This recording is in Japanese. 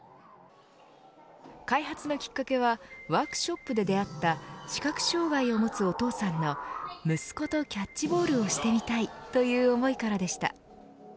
開発のきっかけはワークショップで出会った視覚障害を持つお父さんの息子とキャッチボールをしてみたいという思いからでした。